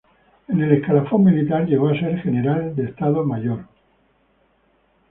En el escalafón militar llegó a ser general de Estado Mayor.